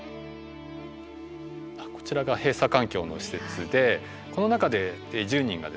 こちらが閉鎖環境の施設でこの中で１０人が暮らすんですね。